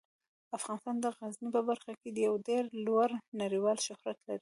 افغانستان د غزني په برخه کې یو ډیر لوړ نړیوال شهرت لري.